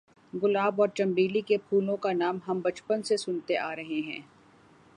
گلاب اور چنبیلی کے پھولوں کا نام ہم بچپن سے سنتے آ رہے ہیں